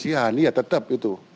pihak kepolisian iya tetap itu